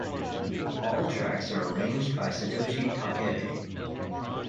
All tracks are arranged by Satoshi Takebe.